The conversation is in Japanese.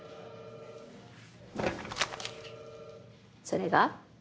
それが？